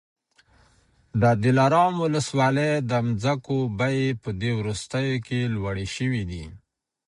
د دلارام ولسوالۍ د مځکو بیې په دې وروستیو کي لوړي سوې دي.